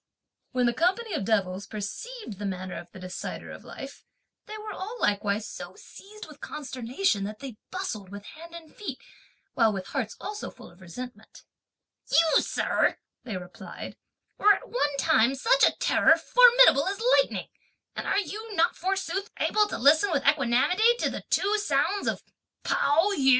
When the company of devils perceived the manner of the Decider of life, they were all likewise so seized with consternation that they bustled with hand and feet; while with hearts also full of resentment: "You, sir," they replied, "were at one time such a terror, formidable as lightning; and are you not forsooth able to listen with equanimity to the two sounds of 'Pao yü?'